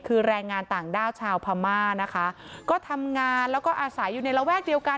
คือแรงงานต่างด้าวชาวพม่านะคะก็ทำงานแล้วก็อาศัยอยู่ในระแวกเดียวกัน